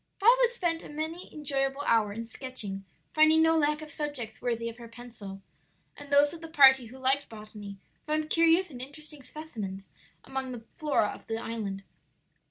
Violet spent many an enjoyable hour in sketching, finding no lack of subjects worthy of her pencil; and those of the party who liked botany found curious and interesting specimens among the flora of the island.